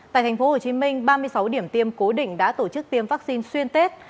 tại tp hcm ba mươi sáu điểm tiêm cố định đã tổ chức tiêm vaccine xuyên tết